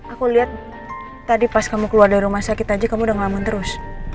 aku lihat tadi pas kamu keluar dari rumah sakit aja kamu udah ngelamun terus